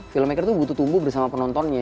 filmmaker itu butuh tumbuh bersama penontonnya